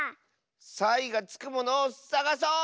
サイがつくものをさがそう！